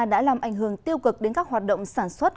đã làm ảnh hưởng tiêu cực đến các hoạt động sản xuất